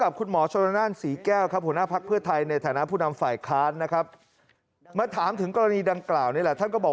เป็นเรื่องอะไรครับ